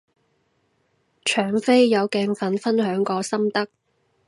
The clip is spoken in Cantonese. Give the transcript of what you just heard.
搶飛有鏡粉分享過心得